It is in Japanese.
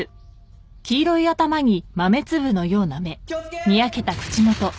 気をつけ！